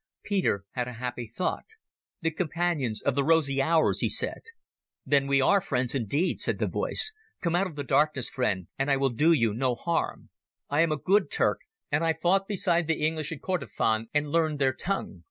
Peter had a happy thought. "The Companions of the Rosy Hours," he said. "Then are we friends indeed," said the voice. "Come out of the darkness, friend, and I will do you no harm. I am a good Turk, and I fought beside the English in Kordofan and learned their tongue.